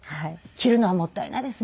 切るのはもったいないです